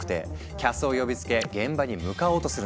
キャスを呼びつけ現場に向かおうとするんだ。